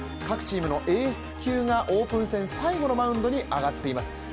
各チームのエース級がオープン戦最後のマウンドに上がっています。